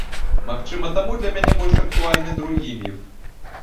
Магчыма, таму для мяне больш актуальны другі міф.